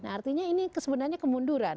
artinya ini sebenarnya kemunduran